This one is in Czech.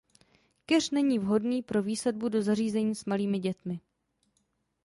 Keř není vhodný pro výsadbu do zařízení s malými dětmi.